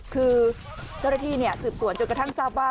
คือเจ้าหน้าที่สืบสวนจนกระทั่งทราบว่า